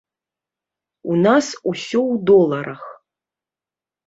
У нас усё ў доларах.